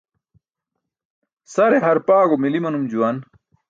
Sare harpaẏo mili manum juwan.